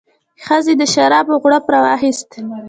ښځې د شرابو غوړپ راواخیست.